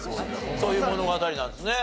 そういう物語なんですね。